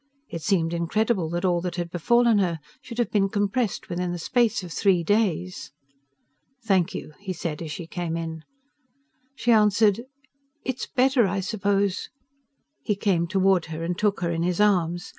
It seemed incredible that all that had befallen her should have been compressed within the space of three days! "Thank you," he said as she came in. She answered: "It's better, I suppose " He came toward her and took her in his arms.